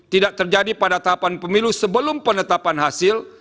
tidak terjadi pada tahapan pemilu sebelum penetapan hasil